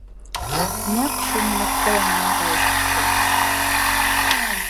Нәҡ шул минутта яңынан тауыш ҡупты.